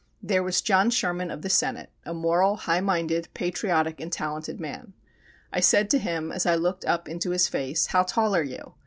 There was John Sherman of the Senate, a moral, high minded, patriotic and talented man. I said to him as I looked up into his face: "How tall are you?"